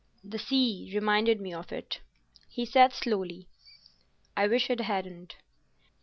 "The sea reminded me of it," he said slowly. "I wish it hadn't.